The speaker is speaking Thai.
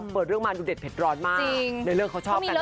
เปิดเรื่องมาดูเด็ดเผ็ดร้อนมาก